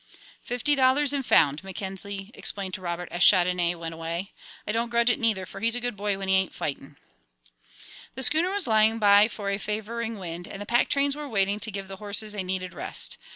"Fifty dollars and found," Mackenzie explained to Robert as Chandonnais went away. "I don't grudge it neither, for he's a good boy when he ain't fighting." The schooner was lying by for a favouring wind, and the pack trains were waiting to give the horses a needed rest.